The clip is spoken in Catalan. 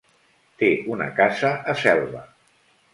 Té una casa a Selva.